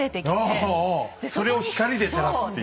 ああああそれを光で照らすっていう。